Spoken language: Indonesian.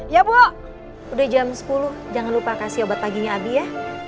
ya bu udah jam sepuluh jangan lupa kasih obat paginya abi ya